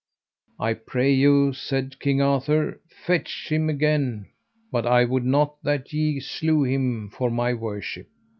I pray you, said King Arthur, fetch him again, but I would not that ye slew him, for my worship.